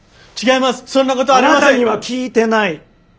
あなたには聞いてない。